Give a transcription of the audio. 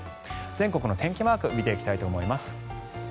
全国の天気マークを見ていきたいと思います。